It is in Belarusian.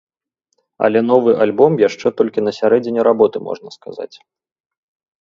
Але новы альбом яшчэ толькі на сярэдзіне работы, можна сказаць.